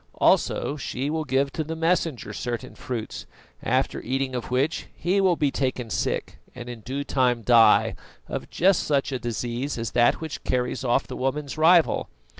Also she will give to the Messenger certain fruits, after eating of which he will be taken sick and in due time die, of just such a disease as that which carries off the woman's rival.